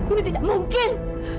ini tidak mungkin